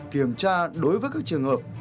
kiểm tra đối với các trường hợp